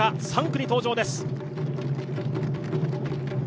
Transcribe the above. ３区に登場です。